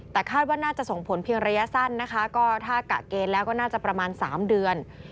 แต่คาดว่าน่าจะส่งผลเพียงระยะสั้นนะคะก็ถ้ากะเกณฑ์แล้วก็น่าจะประมาณ๓เดือน